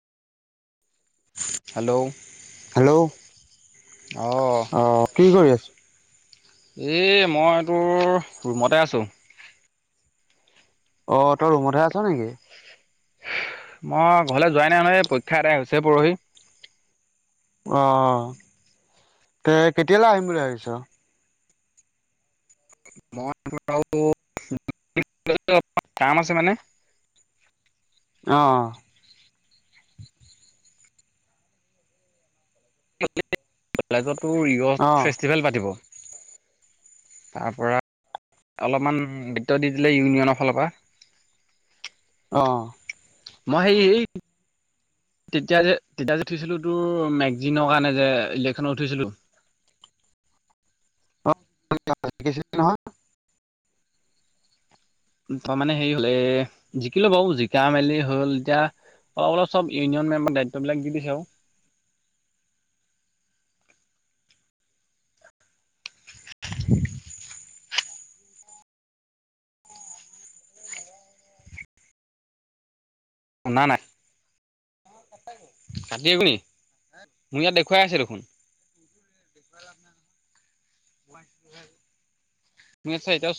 Hello hello অঁ কি কৰি আছ। এ মই তোৰ ৰুমতে আছোঁ অ তই ৰুমহে আছ নেকি মই ঘৰলে যোৱাই নাই নহয় এ পৰীক্ষা আদাই হৈছেহে পৰখি। অঁ তে কেতিয়ালে আহিম বুলি ভাবিছ? মই তোৰ আও কাম আছে মানে। অ অ। [inaudible] কলেজতো ৰিঅ অ' ফেষ্টিভেল পাতিব। তাৰপৰা অলপমান দিত্ব দি দিলে ইউনিয়নৰ ফাল পা। অ। মই সেই এই তেতিয়া যে তেতিয়া যে উঠিছিলোঁ তোৰ মেগজিনৰ কাৰণে যে ইলেকশ্যনত উঠিছিলোঁ। [unintelligible] নহয়। তই মানে হেৰি হল এ জিকিলো বাৰু জিকা মেলি হল, এতিয়া অলপ চলপ ইউনিয়নমেম্বাৰক দায়িত্ববিলাক দিছে আৰু। [unintelligible] শুনা নাই। কাটিম নি মোৰ ইয়াত দেখুৱাই আছে দেখোন। মোৰ ইয়াত চ এতিয়াও